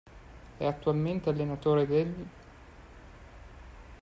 È attualmente allenatore dell'.